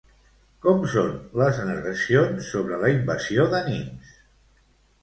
Com són les narracions sobre la invasió de Nimes?